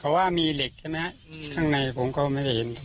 เพราะว่ามีเหล็กใช่ไหมฮะข้างในผมก็ไม่ได้เห็น